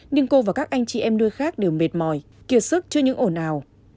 nhưng cô và các anh chị em nuôi khác đều mệt mỏi kiệt sức chưa những ổn ào